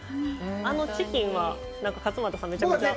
あのチキンは、勝俣さん、めちゃくちゃ。